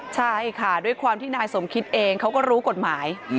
ใช่ค่ะด้วยความที่นายสมคิดเองเขาก็รู้กฎหมาย